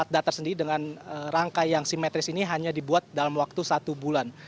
dan rangka yang simetris ini hanya dibuat dalam waktu satu bulan